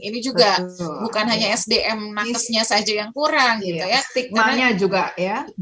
ini juga bukan hanya sdm nakesnya saja yang kurang gitu ya